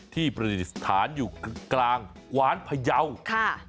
ที่ประดิษฐานอยู่กลางห์วอลภัยาวค่ะ